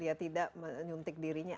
dia tidak menyuntik dirinya